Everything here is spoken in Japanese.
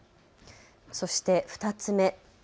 そして２つ目。